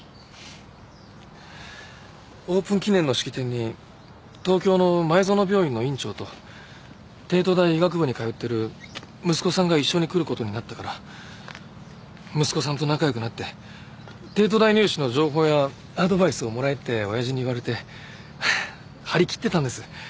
オープン記念の式典に東京の前園病院の院長と帝都大医学部に通ってる息子さんが一緒に来る事になったから息子さんと仲良くなって帝都大入試の情報やアドバイスをもらえって親父に言われて張り切ってたんです。